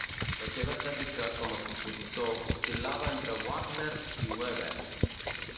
La seva estètica com a compositor oscil·lava entre Wagner i Webern.